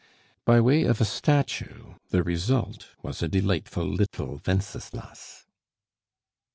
By way of a statue the result was a delightful little Wenceslas.